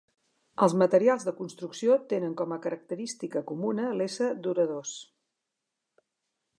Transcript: Els materials de construcció tenen com a característica comuna l'ésser duradors.